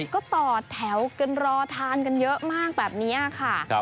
ก็ต่อแถวกันรอทานกันเยอะมากแบบนี้ค่ะ